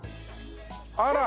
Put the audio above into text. あら。